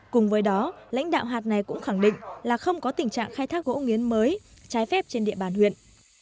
cùng với đó lãnh đạo hạt này cũng khẳng định là không có tình trạng khai thác gỗ nghiến mới trái phép trên địa bàn huyện